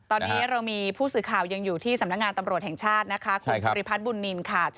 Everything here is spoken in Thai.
ตอนนี้เรามีผู้สื่อข่าวยังอยู่ที่สำนักงานตำรวจแห่งชาติ